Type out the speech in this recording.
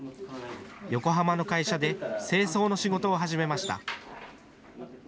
横浜の会社で清掃の仕事を始めました。